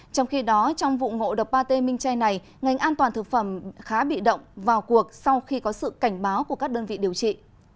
trong khi đó trong vụ ngộ đập ba t minh chay này ngành an toàn thực phẩm khá bị động vào cuộc sau khi có sự cảnh báo của các đơn vị điều trị